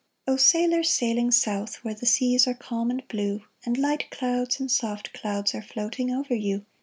O sailors sailing south, Where the seas are calm and blue, And light clouds and soft clouds Are floating over you.